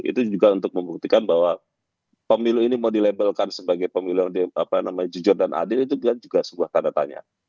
itu juga untuk membuktikan bahwa pemilu ini mau dilabelkan sebagai pemilu yang jujur dan adil itu juga sebuah tanda tanya